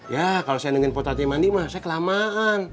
ya kalau saya nungguin potatinya mandi mah saya kelamaan